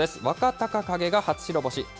若隆景が初白星。